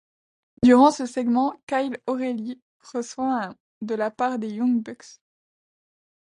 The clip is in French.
Durant ce segment, Kyle O'Reilly reçoit un ' de la part des Young Bucks.